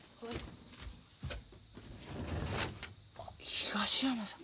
東山さん。